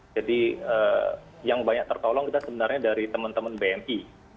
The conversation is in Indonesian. jadi yang banyak tertolong kita sebenarnya dari teman teman bmi